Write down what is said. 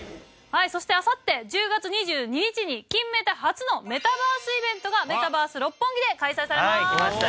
そしてあさって１０月２２日に『金メタ』初のメタバースイベントがメタバース六本木で開催されます。